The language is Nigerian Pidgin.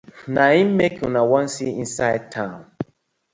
Na im mek una wan see inside town.